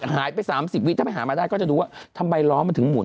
หายไปสามสี่วิทย์ถ้าไปหามาได้ก็จะรู้ว่าทำไมล้อมันถึงหมุน